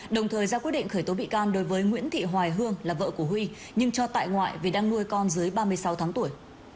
đồng thời ra quyết định khởi tố bị can đối với nguyễn thị hoài hương là vợ của huy nhưng cho tại ngoại vì đang nuôi con dưới ba mươi sáu tháng tuổi